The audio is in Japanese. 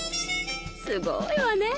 すごいわねぇ。